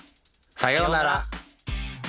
さようなら。